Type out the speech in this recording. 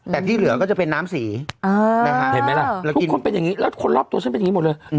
แต่ที่เหลือก็จะเป็นน้ำสี่ซองทุกคนเป็นอย่างนี้คนรอบตัวเป็นอย่างงี้หมดเลย